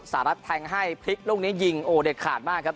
รัฐแทงให้พลิกลูกนี้ยิงโอ้เด็ดขาดมากครับ